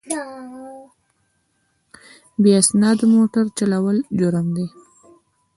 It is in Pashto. بې اسنادو موټر چلول جرم دی.